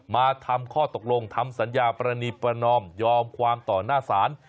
มาทำข้อตกลงทำสัญญาปรณีประนอมยอมความต่อหน้าศาล